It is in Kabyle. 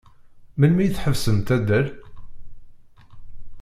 Melmi i tḥebsemt addal?